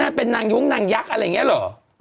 นางเป็นนางยุ้งนางยักษ์อะไรอย่างนี้เหรอ